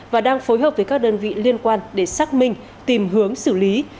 và đang phối hợp với các đơn vị liên quan để xác minh tìm hướng xử lý